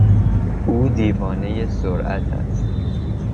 او دیوانهی سرعت است.